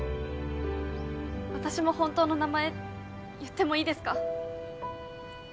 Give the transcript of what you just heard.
私も本当の名前言ってもいいですか？